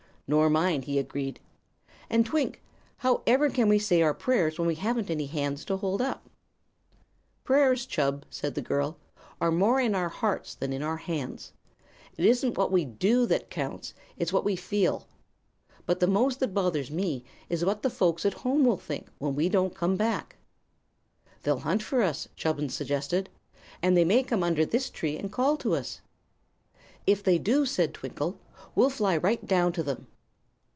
"Nor mine," he agreed. "And, Twink, how ever can we say our prayers when we haven't any hands to hold up together?" "Prayers, Chub," said the girl, "are more in our hearts than in our hands. It isn't what we do that counts; it's what we feel. But the most that bothers me is what the folks at home will think, when we don't come back." "They'll hunt for us," Chubbins suggested; "and they may come under this tree, and call to us." "If they do," said Twinkle, "we'll fly right down to them."